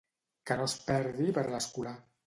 Que no es perdi per l'escolà.